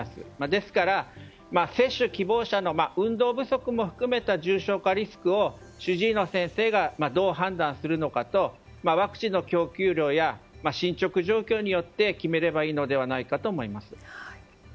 ですから接種希望者の運動不足も含めた重症化リスクを主治医の先生がどう判断するのかとワクチンの供給量や進捗状況によって決めればいいのではないかと思います。